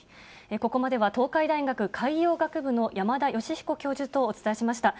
ここまでは東海大学海洋学部の山田吉彦教授とお伝えしました。